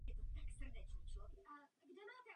Myslím, že je důležité, abychom si to dnes opět připomněli.